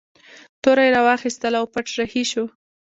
توره یې راواخیستله او پټ رهي شو.